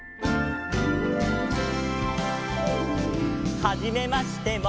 「はじめましても」